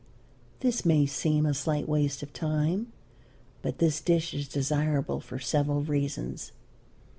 This may seem a slight waste of time, but this dish is desirable for several reasons.